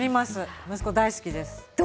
息子が大好きです。